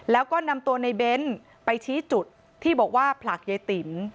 แล้วก็นำตัวในเบ้นไปชี้จุดที่บอกว่าผลักยายติ๋ม